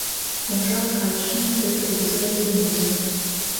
Помыжалт кайышым — Пӧтыр кугыза ӱпем рӱза.